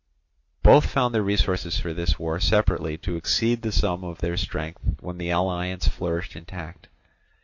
Both found their resources for this war separately to exceed the sum of their strength when the alliance flourished intact.